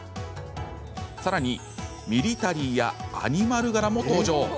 さらに、ミリタリーやアニマル柄も登場。